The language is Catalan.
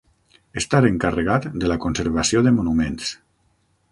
Estar encarregat de la conservació de monuments.